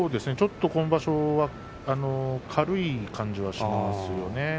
ちょっと今場所は軽い感じがしますよね。